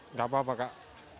nggak apa apa kak